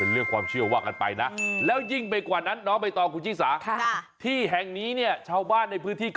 ร่ำลือกันนักว่าเหยียนผีดุ